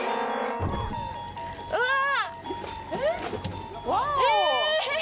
うわっ！え！